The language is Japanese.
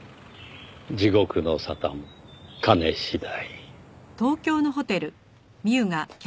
地獄の沙汰も金次第。